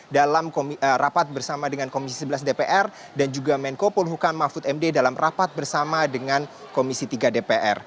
dalam rapat bersama dengan komisi sebelas dpr dan juga menko polhukam mahfud md dalam rapat bersama dengan komisi tiga dpr